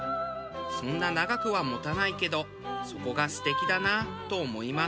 そんな長くは持たないけどそこが素敵だなと思います。